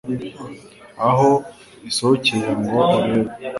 Aho isohokeye ngo urebe